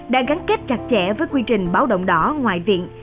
đang gắn kết chặt chẽ với quy trình báo động đỏ ngoại viện